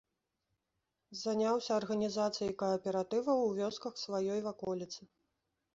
Заняўся арганізацыяй кааператываў у вёсках сваёй ваколіцы.